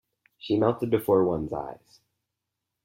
She melted before one's eyes.